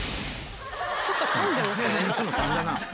ちょっと噛んでましたよね。